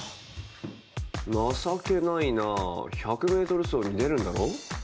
情けないな１００ｍ走に出るんだろ？